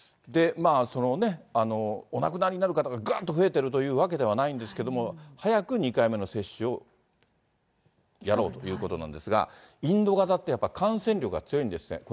お亡くなりになる方が、がーんと増えてるというわけではないんですけど、早く２回目の接種をやろうということなんですが、インド型ってやっぱり、感染力が強いんですね。